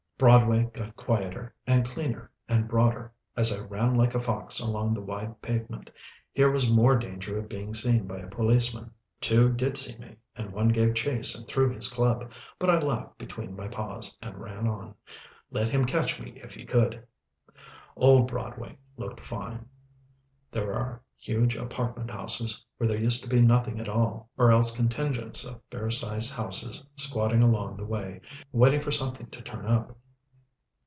Broadway got quieter, and cleaner, and broader, as I ran like a fox along the wide pavement. Here was more danger of being seen by a policeman. Two did see me, and one gave chase and threw his club; but I laughed between my paws, and ran on. Let him catch me if he could. Old Broadway looked fine. There are huge apartment houses where there used to be nothing at all, or else contingents of fair sized houses squatting along the way, waiting for something to turn up.